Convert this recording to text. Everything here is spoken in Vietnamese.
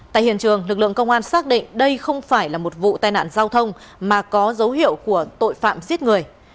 tại hiện trường lực lượng công an xác định đây không phải là một vụ tai nạn giao thông mà có dấu hiệu của tội phạm giết người